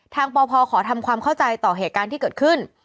ปพขอทำความเข้าใจต่อเหตุการณ์ที่เกิดขึ้น